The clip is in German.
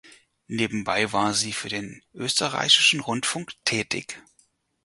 Nebenbei war sie für den Österreichischen Rundfunk tätig.